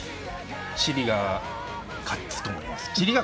チリが勝つと思います。